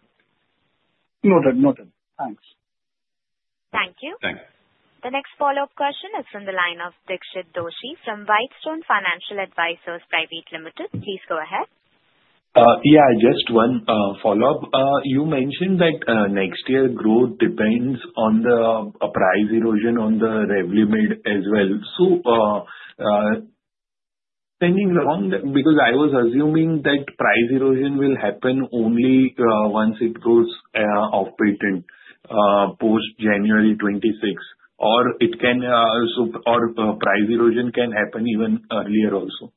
U: Noted. Noted. Thanks.
A: Thank you.
E: Thanks.
A: The next follow-up question is from the line of Dixit Doshi from Whitestone Financial Advisors Private Limited. Please go ahead.
N: Yeah. Just one follow-up. You mentioned that next year growth depends on the price erosion on the Revlimid as well. So, second thing, because I was assuming that price erosion will happen only once it goes off patent post January 2026, or price erosion can happen even earlier also?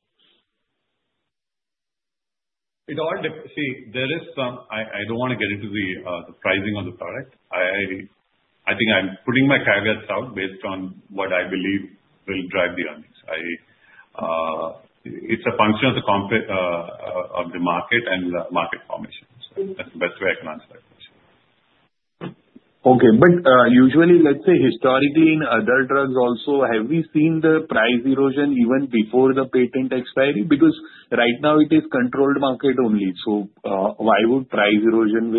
E: See, there is some. I don't want to get into the pricing of the product. I think I'm putting my caveats out based on what I believe will drive the earnings. It's a function of the market and the market formation. So that's the best way I can answer that question.
N: Okay. But usually, let's say historically in other drugs also, have we seen the price erosion even before the patent expiry? Because right now, it is controlled market only. So why would price erosion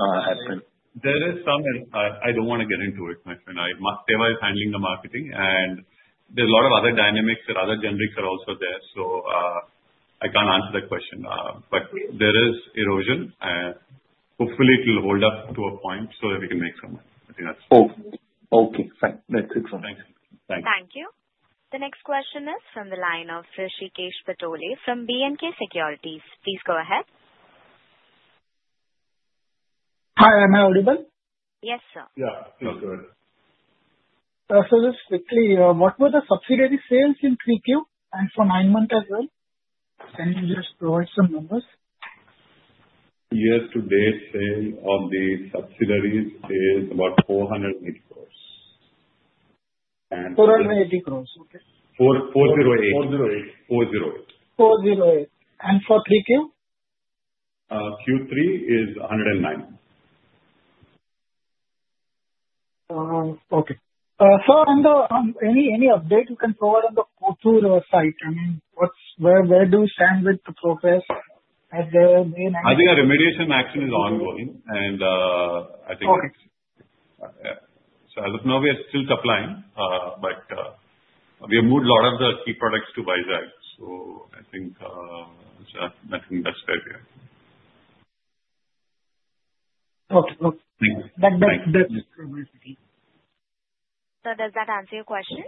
N: happen?
E: There is some. I don't want to get into it, my friend. Sun is handling the marketing. And there's a lot of other dynamics and other generics are also there. So I can't answer that question. But there is erosion. Hopefully, it will hold up to a point so that we can make some money. I think that's it.
N: Okay. Fine. That's excellent.
E: Thank you.
A: Thank you. The next question is from the line of Hrishikesh Patole from BNK Securities. Please go ahead.
B: Hi. Am I audible?
A: Yes, sir.
E: Yeah. Please go ahead.
B: Just quickly, what were the subsidiary sales in Q2 and for nine months as well? Can you just provide some numbers?
E: Year-to-date sales of the subsidiaries is about 480 crores.
B: 480 crores. Okay.
E: 408. 408.
B: 408 and for Q3?
E: Q3 is 109.
B: Okay. Sir, any update you can provide on the Q2 site? I mean, where do you stand with the progress at the main?
E: I think our remediation action is ongoing, and I think.
B: Okay.
E: So as of now, we are still supplying. But we have moved a lot of the key products to Vizag. So I think that's fair here.
B: Okay. Okay. That's good.
A: Sir, does that answer your question?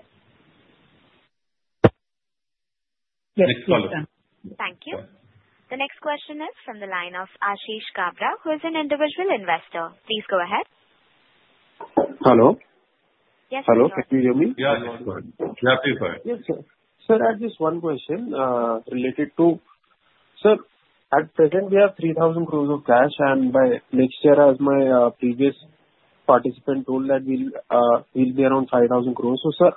B: Yes.
E: Next caller.
A: Thank you. The next question is from the line of Ashish Kabra, who is an individual investor. Please go ahead.
W: Hello? Hello. Can you hear me?
E: Yeah. Yeah. Please go ahead.
W: Yes, sir. Sir, I have just one question. Sir, at present, we have 3,000 crores of cash. And next year, as my previous participant told, that we'll be around 5,000 crores. So sir,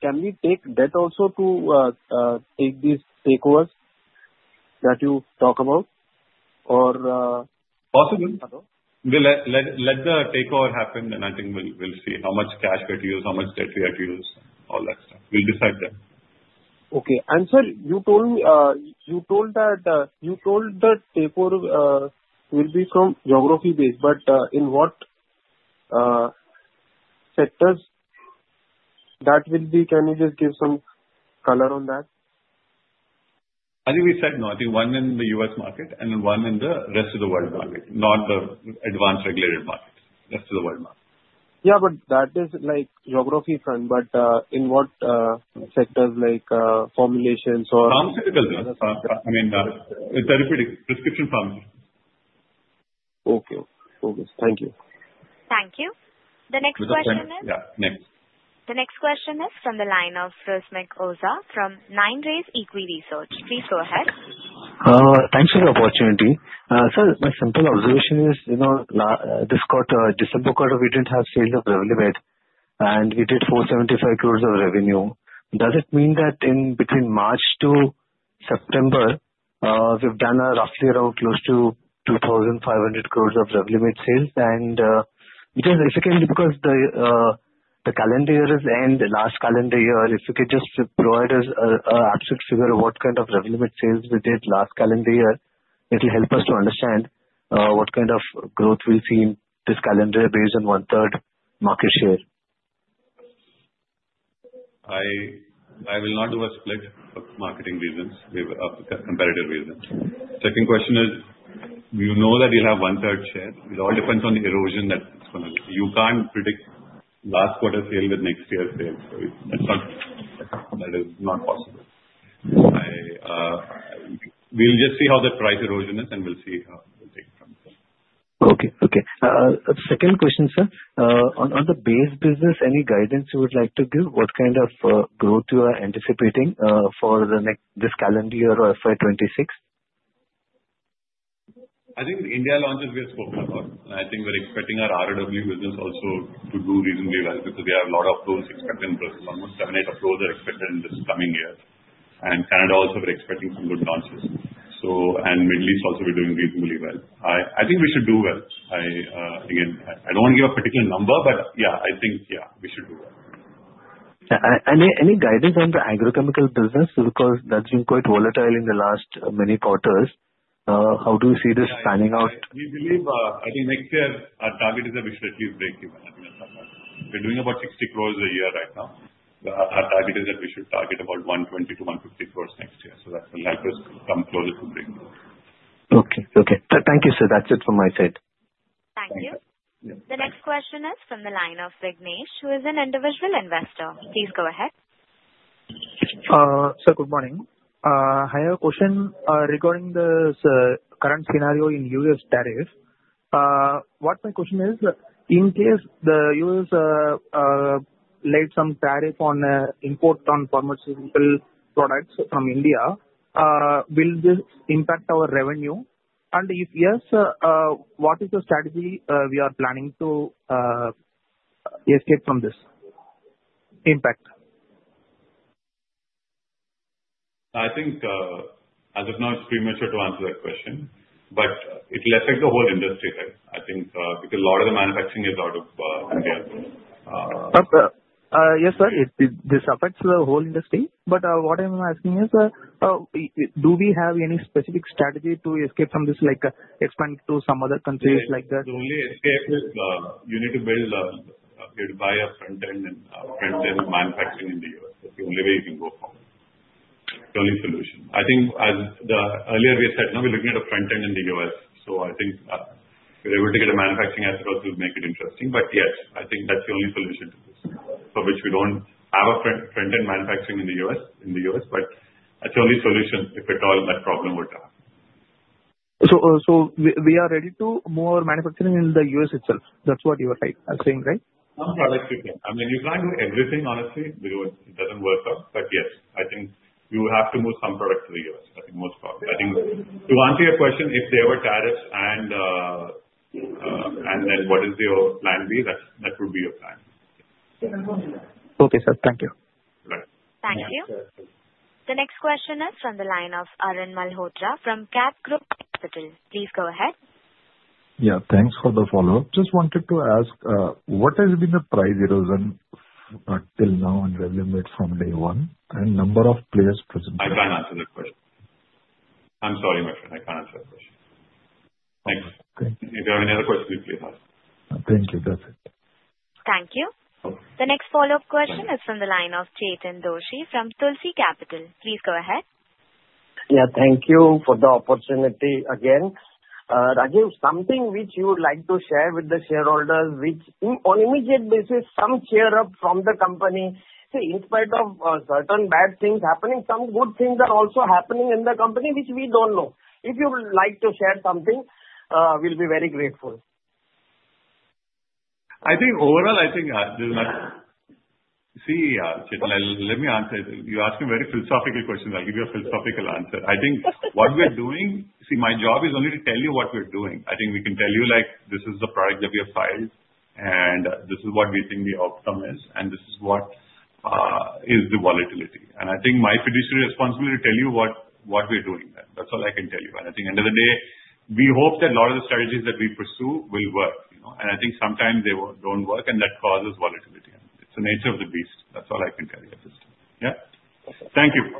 W: can we take debt also to take these takeovers that you talk about? Or? Possible.
E: Let the takeover happen. And I think we'll see how much cash we have to use, how much debt we have to use, and all that stuff. We'll decide that.
W: Okay. And sir, you told that the takeover will be from geography-based. But in what sectors that will be? Can you just give some color on that?
E: I think we said no. I think one in the U.S. market and one in the rest of the world market, not the advanced regulated markets, rest of the world market.
W: Yeah. But that is geography-bound. But in what sectors? Like formulations or?
E: Pharmaceuticals. I mean, therapeutic prescription pharmaceuticals.
W: Okay. Okay. Thank you.
A: Thank you. The next question is.
E: Yeah. Next.
A: The next question is from the line of Rusmik Oza from 9 Rays Equities. Please go ahead.
X: Thanks for the opportunity. Sir, my simple observation is this December quarter, we didn't have sales of Revlimid. And we did 475 crores of revenue. Does it mean that in between March to September, we've done roughly around close to 2,500 crores of Revlimid sales? And if we can because the calendar year is the end, the last calendar year, if you could just provide us an absolute figure of what kind of Revlimid sales we did last calendar year, it will help us to understand what kind of growth we'll see in this calendar year based on one-third market share.
E: I will not do a split. Marketing reasons, of the competitive reasons. Second question is, you know, that you'll have one-third share. It all depends on the erosion that it's going to be. You can't predict last quarter sale with next year's sales. That is not possible. We'll just see how the price erosion is, and we'll see how we'll take it from there.
X: Okay. Okay. Second question, sir. On the base business, any guidance you would like to give? What kind of growth you are anticipating for this calendar year or FY26?
E: I think the India launches we have spoken about. And I think we're expecting our RoW business also to do reasonably well because we have a lot of those expecting business. Almost seven, eight of those are expected in this coming year. And Canada also, we're expecting some good launches. And Middle East also, we're doing reasonably well. I think we should do well. Again, I don't want to give a particular number. But yeah, I think, yeah, we should do well.
X: Any guidance on the agrochemical business? Because that's been quite volatile in the last many quarters. How do you see this panning out?
E: We believe I think next year, our target is that we should at least break even. We're doing about 60 crores a year right now. Our target is that we should target about 120-150 crores next year. So that will help us come closer to break even.
X: Okay. Okay. Thank you, sir. That's it from my side.
A: Thank you. The next question is from the line of Vignesh, who is an individual investor. Please go ahead.
Y: Sir, good morning. I have a question regarding the current scenario in U.S. tariff. What my question is, in case the U.S. laid some tariff on import on pharmaceutical products from India, will this impact our revenue? And if yes, what is the strategy we are planning to escape from this impact?
E: I think as of now, it's premature to answer that question. But it will affect the whole industry, right? I think because a lot of the manufacturing is out of India.
Y: But yes, sir, this affects the whole industry. But what I'm asking is, do we have any specific strategy to escape from this, like expand to some other countries like that?
E: The only escape is you need to build, buy a front-end and front-end manufacturing in the U.S. That's the only way you can go forward. The only solution. I think as the earlier we said, we're looking at a front-end in the U.S. So I think if we're able to get a manufacturing across to make it interesting. But yes, I think that's the only solution for which we don't have a front-end manufacturing in the U.S. But that's the only solution if at all that problem were to happen.
Y: So we are ready to move our manufacturing in the U.S. itself. That's what you are saying, right?
E: Some products we can. I mean, you can't do everything, honestly. It doesn't work out. But yes, I think we will have to move some products to the U.S., I think most probably. I think to answer your question, if there were tariffs and then what is your plan B, that would be your plan.
Y: Okay, sir. Thank you.
E: Good luck.
A: Thank you. The next question is from the line of Arun Malhotra from CapGrow Capital. Please go ahead.
F: Yeah. Thanks for the follow-up. Just wanted to ask, what has been the price erosion till now in Revlimid from day one and number of players present?
E: I can't answer that question. I'm sorry, my friend. I can't answer that question. Thanks. If you have any other questions, please ask.
F: Thank you. That's it.
A: Thank you. The next follow-up question is from the line of Chetan Doshi from Tulsi Capital. Please go ahead.
G: Yeah. Thank you for the opportunity again. Rajeev, something which you would like to share with the shareholders which on immediate basis, some cheer up from the company. See, in spite of certain bad things happening, some good things are also happening in the company which we don't know. If you would like to share something, we'll be very grateful.
E: I think overall, I think there's not see, Chetan, let me answer. You asked me very philosophical questions. I'll give you a philosophical answer. I think what we're doing see, my job is only to tell you what we're doing. I think we can tell you this is the product that we have filed, and this is what we think the outcome is, and this is what is the volatility. And I think my fiduciary responsibility is to tell you what we're doing. That's all I can tell you. And I think at the end of the day, we hope that a lot of the strategies that we pursue will work. And I think sometimes they don't work, and that causes volatility. It's the nature of the beast. That's all I can tell you. Yeah. Thank you.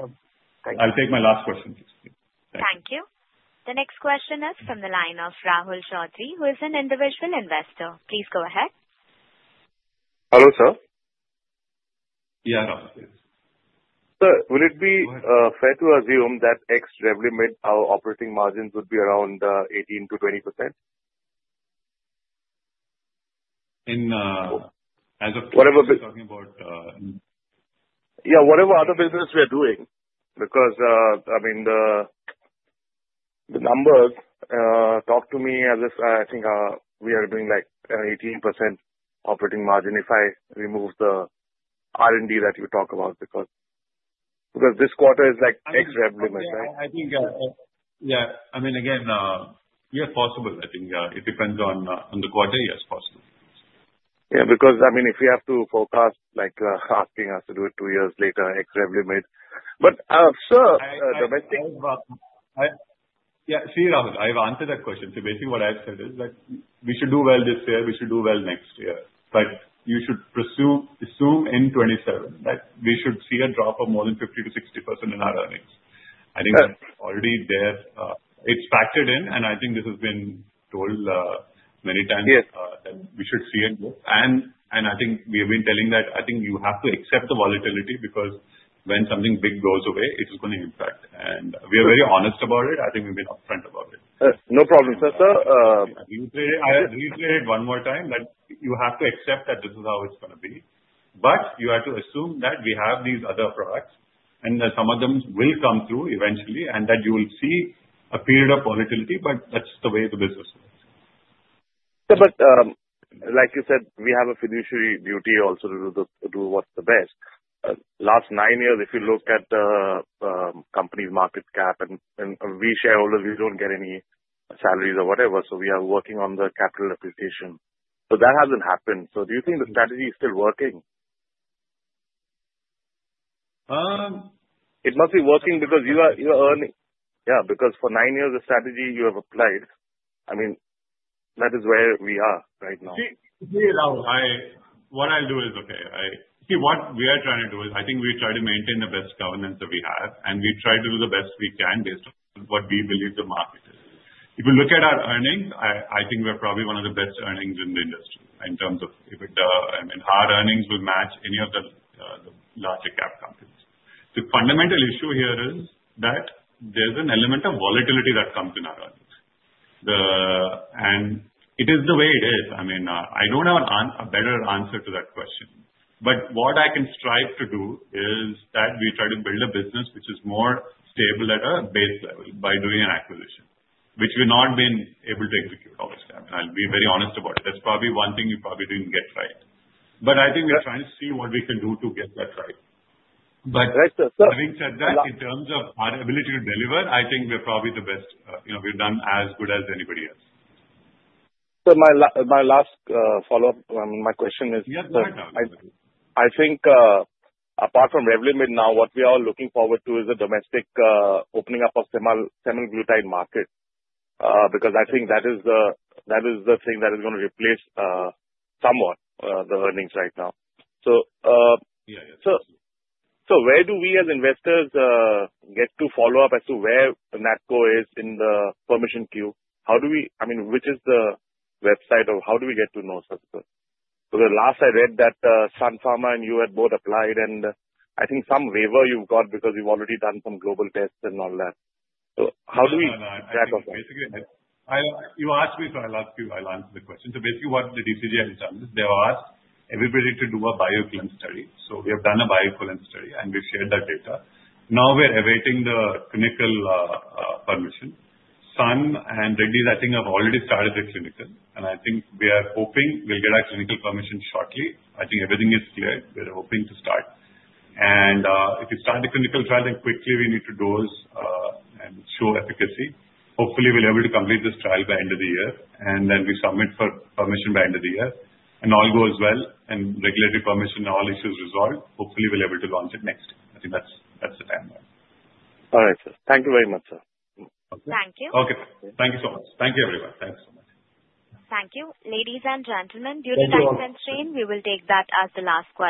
E: I'll take my last question, please.
A: Thank you. The next question is from the line of Rahul Chaudhary, who is an individual investor. Please go ahead.
Z: Hello, sir.
E: Yeah.
Z: Sir would it be fair to assume that ex-Revlimid meant our operating margins would be around 18%-20%?
E: In as of. Whatever.
Z: Yeah. Whatever other business we are doing. Because I mean, the numbers talk to me as if I think we are doing like 18% operating margin if I remove the R&D that you talk about. Because this quarter is like Revlimid, right?
E: Yeah. Yeah. I think yeah. I mean, again, yes, possible. I think it depends on the quarter. Yes, possible.
Z: Yeah. Because I mean, if you have to forecast asking us to do it two years later, semaglutide but sir, domestic.
C: Yeah. See, Rahul, I've answered that question. So basically, what I've said is that we should do well this year. We should do well next year. But you should assume in 2027 that we should see a drop of more than 50%-60% in our earnings. I think that's already there. It's factored in. And I think this has been told many times that we should see it. And I think we have been telling that I think you have to accept the volatility because when something big goes away, it is going to impact. And we are very honest about it. I think we've been upfront about it.
Z: No problem. Sir, sir.
C: I'll reiterate it one more time that you have to accept that this is how it's going to be. But you have to assume that we have these other products. And some of them will come through eventually. And that you will see a period of volatility. But that's the way the business works.
Z: But, like you said, we have a fiduciary duty also to do what's the best. Last nine years, if you look at the company's market cap and we shareholders, we don't get any salaries or whatever. So we are working on the capital allocation. But that hasn't happened. So do you think the strategy is still working? It must be working because you are earning. Yeah. Because for nine years, the strategy you have applied, I mean, that is where we are right now.
C: See, Rahul, what I'll do is okay. See, what we are trying to do is I think we try to maintain the best governance that we have. And we try to do the best we can based on what we believe the market is. If you look at our earnings, I think we're probably one of the best earnings in the industry in terms of if it, I mean, hard earnings will match any of the larger cap companies. The fundamental issue here is that there's an element of volatility that comes in our earnings. And it is the way it is. I mean, I don't have a better answer to that question. But what I can strive to do is that we try to build a business which is more stable at a base level by doing an acquisition, which we've not been able to execute obviously. I mean, I'll be very honest about it. That's probably one thing you probably didn't get right. But I think we are trying to see what we can do to get that right. But having said that, in terms of our ability to deliver, I think we're probably the best. We've done as good as anybody else.
Z: So, my last follow-up, my question is.
E: Yeah. No problem.
Z: I think apart from Revlimid now, what we are all looking forward to is a domestic opening up of semaglutide market. Because I think that is the thing that is going to replace somewhat the earnings right now. So where do we as investors get to follow up as to where NATCO is in the permission queue? How do we, I mean, which is the website or how do we get to know such a thing? Because last I read that Sun Pharma and you had both applied. I think some waiver you've got because you've already done some global tests and all that. So how do we track of that?
E: Basically, you asked me, so I'll ask you. I'll answer the question, so basically, what the DCGI has done is they've asked everybody to do a bioequivalence study, so we have done a bioequivalence study, and we've shared that data. Now we're awaiting the clinical permission. Sun and Reddy, I think, have already started the clinical, and I think we are hoping we'll get our clinical permission shortly. I think everything is clear. We're hoping to start. And if we start the clinical trial, then quickly we need to dose and show efficacy. Hopefully, we'll be able to complete this trial by end of the year, and then we submit for permission by end of the year, and all goes well and regulatory permission, all issues resolved, hopefully, we'll be able to launch it next year. I think that's the timeline.
Z: All right, sir. Thank you very much, sir.
E: Okay. Thank you so much. Thank you, everyone.
Z: Thank you so much.
A: Thank you. Ladies and gentlemen, due to time constraint, we will take that as the last question.